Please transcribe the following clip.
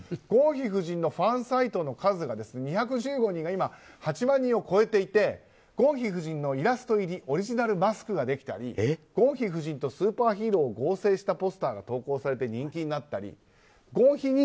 ゴンヒ夫人のファンサイトの数が２１５人が今、８万人を超えていてゴンヒ夫人のイラスト入りオリジナルマスクができたりゴンヒ夫人とスーパーヒーローを合成したポスターが投稿されて人気になったりゴンヒ